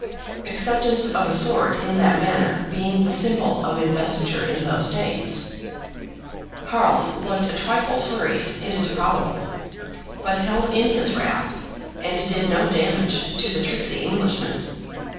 (acceptance of a sword in that manner being the symbol of investiture in those days.) Harald looked a trifle flurried, it is probable; but held in his wrath, and did no damage to the tricksy Englishman.